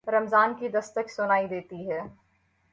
رمضان کی دستک سنائی دیتی ہے۔